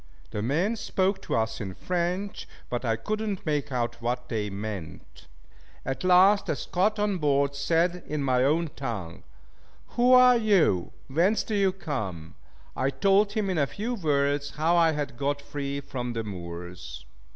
The men spoke to us in French, but I could not make out what they meant. At last a Scot on board said in my own tongue, "Who are you? Whence do you come?" I told him in a few words how I had got free from the Moors.